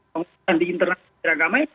pengurusan di internal kementerian agama